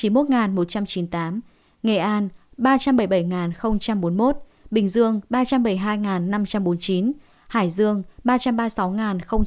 hà nội một hai trăm sáu mươi hai trăm sáu mươi tám tp hcm năm trăm chín mươi một một trăm chín mươi tám nghệ an ba trăm bảy mươi bảy bốn mươi một bình dương ba trăm bảy mươi hai năm trăm bốn mươi chín hải dương ba trăm ba mươi sáu sáu mươi